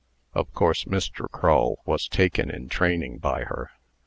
Of course, Mr. Crull was taken in training by her.